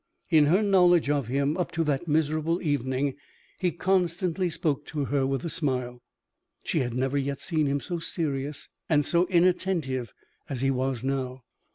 In her knowledge of him, up to that miserable evening, he constantly spoke to her with a smile. She had never yet seen him so serious and so inattentive as he was now.